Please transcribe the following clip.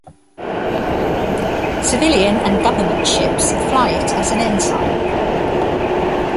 Civilian and government ships fly it as an ensign.